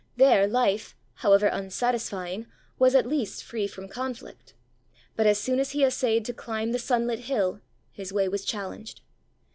There, life, however unsatisfying, was at least free from conflict. But as soon as he essayed to climb the sunlit hill his way was challenged.